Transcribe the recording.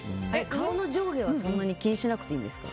顔の上下はそんなに気にしなくていいんですか？